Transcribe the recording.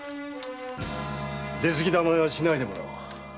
出過ぎた真似はしないでもらおう。